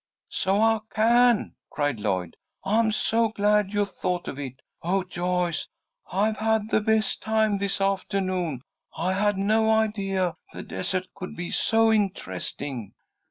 "So I can!" cried Lloyd. "I'm so glad you thought of it. Oh, Joyce, I've had the best time this aftahnoon! I had no idea the desert could be so interesting!"